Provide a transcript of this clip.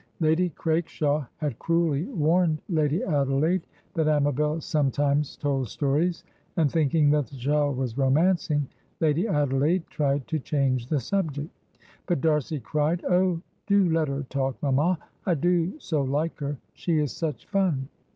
Lady Craikshaw had cruelly warned Lady Adelaide that Amabel sometimes told stories, and, thinking that the child was romancing, Lady Adelaide tried to change the subject. But D'Arcy cried, "Oh, do let her talk, mamma. I do so like her. She is such fun!"